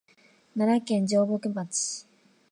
奈良県上牧町